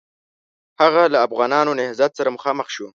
هغه له افغانانو نهضت سره مخامخ شو.